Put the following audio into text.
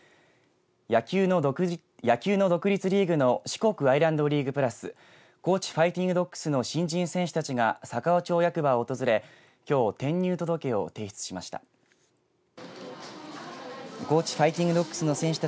野球の独立リーグの四国アイランドリーグｐｌｕｓ高知ファイティングドッグスの新人選手たちが佐川町役場を訪れきょう転入届を提出しました。